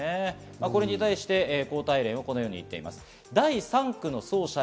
これに対して高体連はこのように言っています。